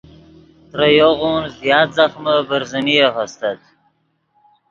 ترے یوغون زیات ځخمے برزنیف استت